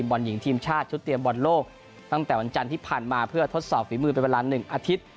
บอลหญิงทีมชาติชุดเตรียมบอลโลกตั้งแต่วันจันทร์ที่ผ่านมาเพื่อทดสอบฝีมือเป็นเวลา๑อาทิตย์